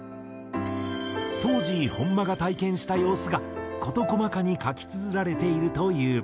当時本間が体験した様子が事細かに書きつづられているという。